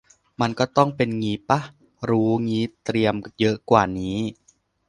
มันก็ต้องเป็นงี้ป่ะ รู้งี้เตรียมเยอะกว่านี้